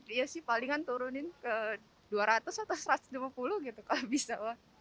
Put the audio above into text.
iya sih palingan turunin ke dua ratus atau satu ratus lima puluh gitu kalau bisa